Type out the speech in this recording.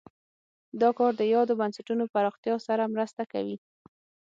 دا کار د یادو بنسټونو پراختیا سره مرسته کوي.